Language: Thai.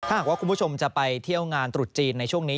หากว่าคุณผู้ชมจะไปเที่ยวงานตรุษจีนในช่วงนี้